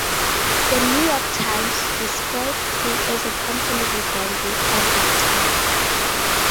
"The New York Times" described it as a "company reborn" based on that tour.